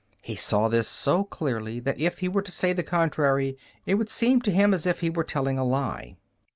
He saw this so clearly that if he were to say the contrary, it would seem to him as if he were telling a lie.